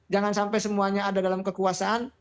jangan sampai semuanya ada dalam kekuasaan